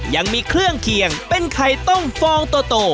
ยังมีเครื่องเคียงเป็นไข่ต้มฟองโต